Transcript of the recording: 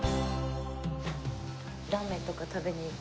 ラーメンとか食べに行く？